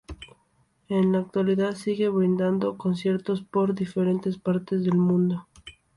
En la actualidad sigue brindando conciertos por diferentes partes del mundo.